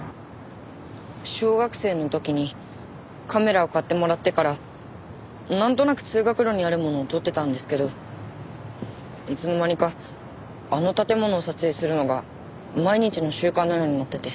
小学生の時にカメラを買ってもらってからなんとなく通学路にあるものを撮ってたんですけどいつの間にかあの建物を撮影するのが毎日の習慣のようになってて。